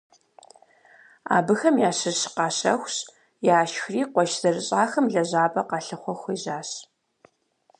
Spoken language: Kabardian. Абыхэм ящыщ къащэхущ, яшхри къуэш зэрыщӏахэм лэжьапӏэ къалъыхъуэу хуежьащ.